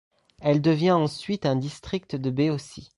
Elle devient ensuite un district de Béotie.